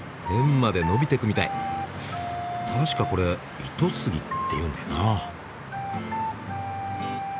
確かこれ糸杉っていうんだよな。